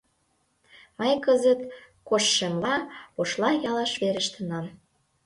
Мый кызыт, коштшемла, Ошла ялыш верештынам.